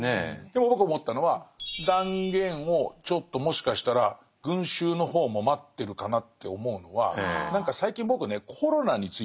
でも僕思ったのは断言をちょっともしかしたら群衆の方も待ってるかなって思うのは何か最近僕ねコロナについて思うんですけどね